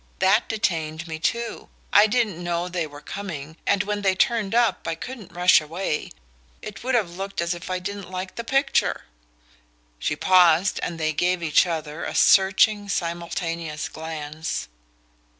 That detained me too. I didn't know they were coming, and when they turned up I couldn't rush away. It would have looked as if I didn't like the picture." She paused and they gave each other a searching simultaneous glance.